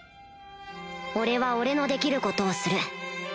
俺は俺のできることをする